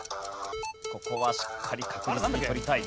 ここはしっかり確実に取りたい。